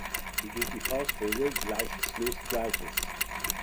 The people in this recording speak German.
Hier gilt die Faustregel „Gleiches löst Gleiches“.